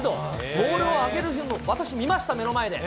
ボールを上げる日も、私見ました、目の前で。